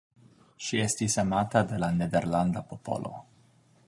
Ŝi estis amata de la nederlanda popolo.